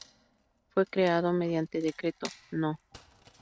Fue creado mediante Decreto No.